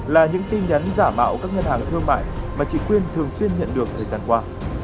là những tin nhắn giả mạo các ngân hàng thương mại mà chị quyên thường xuyên nhận được thời gian qua